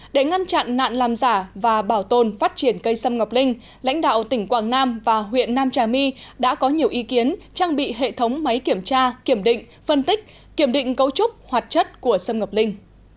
để ngăn chặn nạn làm giả và bảo tồn phát triển cây sâm ngọc linh lãnh đạo tỉnh quảng nam và huyện nam trà my đã có nhiều ý kiến trang bị hệ thống máy kiểm tra kiểm định phân tích kiểm định cấu trúc hoạt chất của sâm ngọc linh